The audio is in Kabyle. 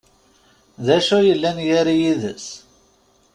D acu yellan gar-i yid-s?